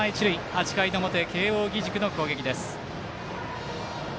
８回の表、慶応義塾の攻撃です。